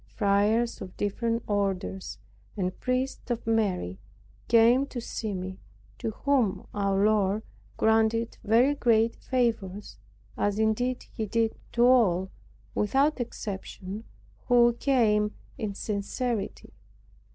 Friars of different orders, and priests of merit, came to see me, to whom our Lord granted very great favors, as indeed He did to all, without exception, who came in sincerity.